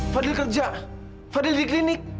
fadil kerja fadil di klinik